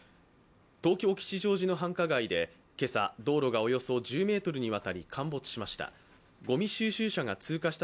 東京・吉祥寺の繁華街で今朝、道路がおよそ１０ｍに渡り陥没しました。